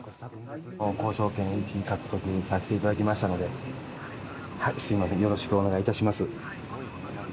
交渉権をうちに獲得させていただきましたので、すみません、よろしくお願いいたします。